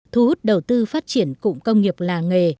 thu hút đầu tư phát triển cụng công nghiệp làng nghề